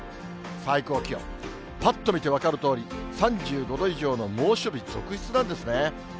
最高気温、ぱっと見て分かるとおり、３５度以上の猛暑日続出なんですね。